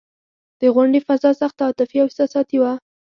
د غونډې فضا سخته عاطفي او احساساتي وه.